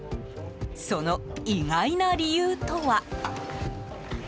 その意外な理由とは。